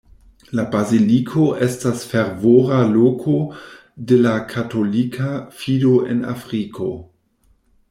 La baziliko estas fervora loko de la katolika fido en Afriko.